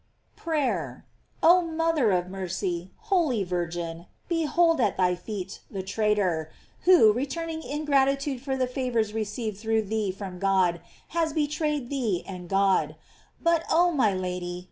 PRATER. Oh mother of mercy! holy Virgin! behold at 100 GLORIES OF thy feet the traitor, who, returning ingratitude for the favors received through thee from God has betrayed thee and God. But, oh my Lady!